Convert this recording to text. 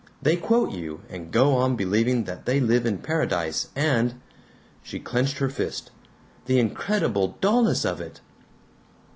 They quote you, and go on believing that they live in paradise, and " She clenched her fist. "The incredible dullness of it!"